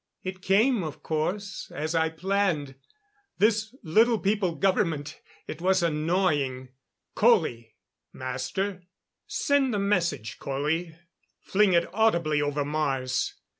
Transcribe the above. It came, of course, as I planned. This Little People government it was annoying ... Colley!" "Master?" "Send the message, Colley. Fling it audibly over Mars!